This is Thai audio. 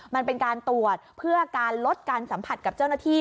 มันเป็นการตรวจเพื่อการลดการสัมผัสกับเจ้าหน้าที่